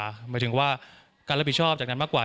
หมายถึงว่าการรับผิดชอบจากนั้นมากกว่า